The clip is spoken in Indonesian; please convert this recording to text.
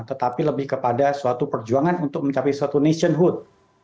tetapi lebih kepada suatu perjuangan untuk mencapai suatu nationhood